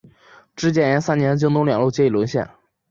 至建炎三年京东两路皆已沦陷。